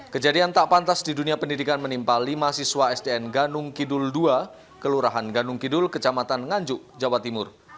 kejadian tak pantas di dunia pendidikan menimpa lima siswa sdn ganung kidul dua kelurahan ganung kidul kecamatan nganjuk jawa timur